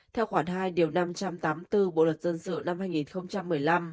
theo khoản hai năm trăm tám mươi bốn bộ luật dân sự năm hai nghìn một mươi năm